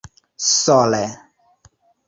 sole